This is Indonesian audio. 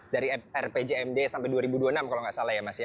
dari rpjmd sampai dua ribu dua puluh enam kalau nggak salah ya mas ya